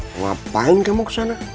ngapain kamu kesana